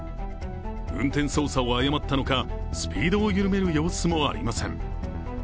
運転操作を誤ったのか、スピードを緩める様子もありません。